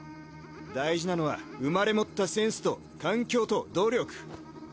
大事なのは生まれ持ったセンスと環境と努力。